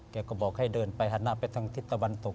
แกก็บอกให้เดินไปหันหน้าไปทางทิศตะวันตก